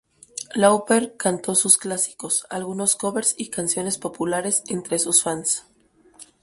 Lauper cantó sus clásicos, algunos covers y canciones populares entre sus fans.